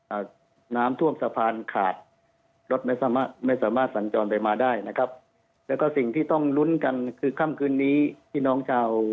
อ่าน้ำท่วมสะพานขาดรถไม่สามารถไม่สามารถสัญจรไปมาได้นะครับแล้วก็สิ่งที่ต้องลุ้นกันคือค่ำคืนนี้พี่น้องชาว